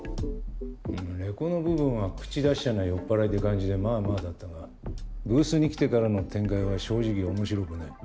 うんレコの部分は口達者な酔っ払いって感じでまあまあだったがブースに来てからの展開は正直面白くねえ。